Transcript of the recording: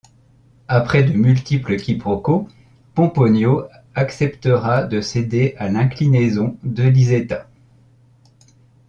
Après de multiples quiproquos, Pomponio acceptera de céder à l'inclinaison de Lisetta.